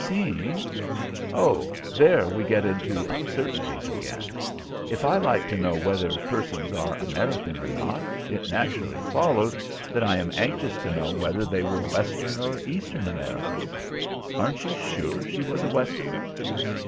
"Seemed? Oh, there we get into uncertainties again. If I like to know whether persons are Americans or not, it naturally follows that I am anxious to know whether they were Western or Eastern Americans. Aren't you sure she was a Westerner?"